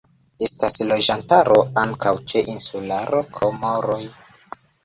Estas loĝantaro ankaŭ ĉe insularo Komoroj.